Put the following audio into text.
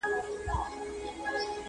پر اوږو یې ټکاوه ورته ګویا سو!